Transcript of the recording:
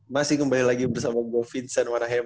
masih kembali lagi bersama gue vincent warahem